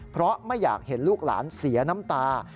เพราะไม่อยากเห็นลูกหลานเสียน้ำตา